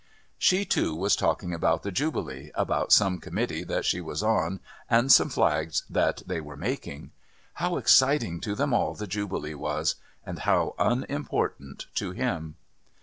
She, too, was talking about the Jubilee about some committee that she was on and some flags that they were making. How exciting to them all the Jubilee was, and how unimportant to him!